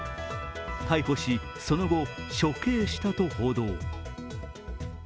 逮捕し、その後、処刑したと報道。